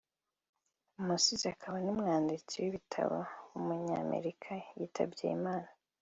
umusizi akaba n’umwanditsi w’ibitabo w’umunyamerika yitabye Imana